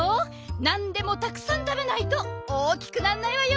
なんでもたくさんたべないと大きくなんないわよ。